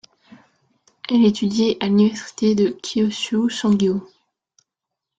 Elle a étudié à l'Université de Kyushu Sangyo.